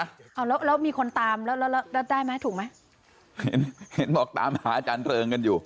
เอาแล้วแล้วมีคนตามแล้วแล้วได้ไหมถูกไหมเห็นเห็นบอกตามหาอาจารย์เริงกันอยู่